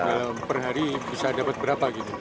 dalam per hari bisa dapat berapa gitu